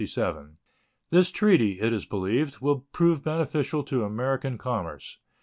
This treaty, it is believed, will prove beneficial to American commerce.